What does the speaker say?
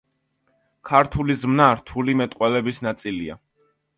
ქართული ზმნა რთული მეტყველების ნაწილია.